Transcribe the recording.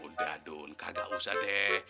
udah dong kagak usah deh